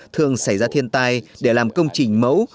thường xảy ra thiên tai để làm công trình mẫu